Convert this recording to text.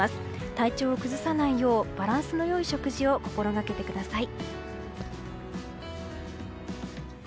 体調を崩さないようバランスの良い食事を心がけてください。